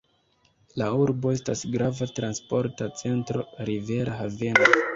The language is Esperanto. La urbo estas grava transporta centro, rivera haveno.